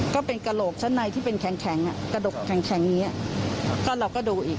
ก็เป็นกระโหลกชั้นในที่เป็นแข็งกระดกแข็งอย่างนี้ก็เราก็ดูอีก